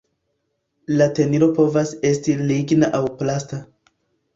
La tenilo povas esti ligna aŭ plasta.